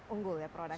unggul ya produk